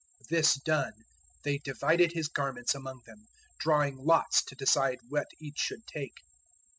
This done, they divided His garments among them, drawing lots to decide what each should take.